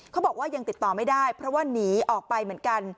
เขาบอกว่ายังติดต่อไม่ได้เพราะว่าหนีออกไปเหมือนกัน